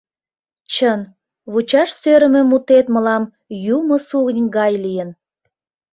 Чын, вучаш сӧрымӧ мутет мылам юмо сугынь гай лийын.